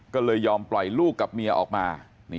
ก็เลยยอมปล่อยลูกกับเมียออกมา